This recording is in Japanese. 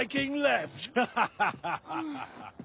ハハハハ！